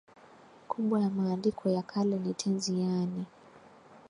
kubwa ya maandiko ya kale ni tenzi yaani